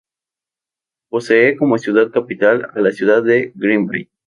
Posee como ciudad capital a la ciudad de Greenville.